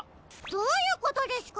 どういうことですか？